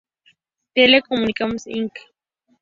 Tele-Communications Inc.